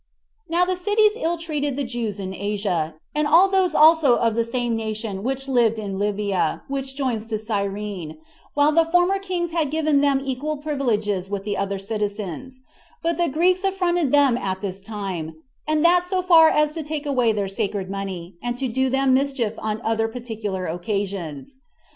1. Now the cities ill treated the Jews in Asia, and all those also of the same nation which lived in Libya, which joins to Cyrene, while the former kings had given them equal privileges with the other citizens; but the Greeks affronted them at this time, and that so far as to take away their sacred money, and to do them mischief on other particular occasions.